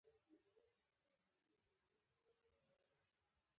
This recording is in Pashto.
حکومت خپل قدرت طالبانو ته تسلیم کړي.